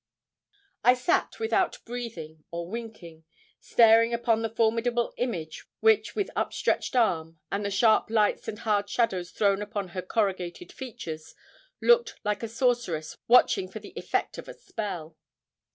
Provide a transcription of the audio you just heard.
I sat without breathing or winking, staring upon the formidable image which with upstretched arm, and the sharp lights and hard shadows thrown upon her corrugated features, looked like a sorceress watching for the effect of a spell.